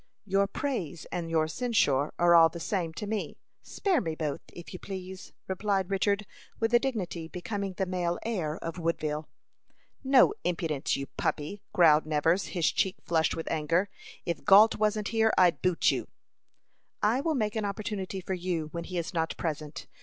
"Your praise and your censure are all the same to me. Spare me both, if you please," replied Richard, with a dignity becoming the male heir of Woodville. "No impudence, you puppy!" growled Nevers, his cheek flushed with anger. "If Gault wasn't here, I'd boot you." "I will make an opportunity for you when he is not present.